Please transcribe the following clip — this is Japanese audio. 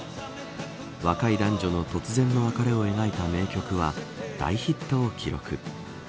若い男女の突然の別れを描いた名曲は大ヒットを記録。